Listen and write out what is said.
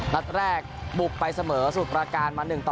นัดแรกบุกไปเสมอสูตรประการมา๑๑